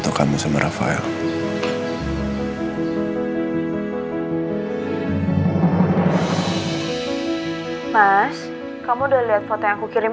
tidak ada yang nanya apa apa